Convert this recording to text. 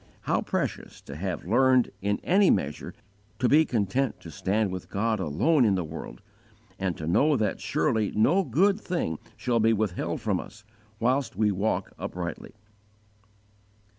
_ How precious to have learned, in any measure, to be content to stand with God alone in the world, and to know that surely no good thing shall be withheld from us, whilst we walk uprightly!"